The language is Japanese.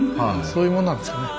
そういうもんなんですかね。